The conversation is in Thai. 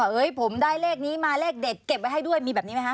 เฮ้ยผมได้เลขนี้มาเลขเด็ดเก็บไว้ให้ด้วยมีแบบนี้ไหมคะ